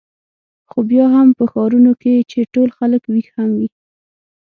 خو بیا هم په ښارونو کې چې ټول خلک وېښ هم وي.